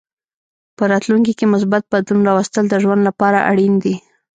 په راتلونکې کې مثبت بدلون راوستل د ژوند لپاره اړین دي.